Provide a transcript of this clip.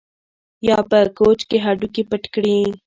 یا په کوچ کې هډوکي پټ کړي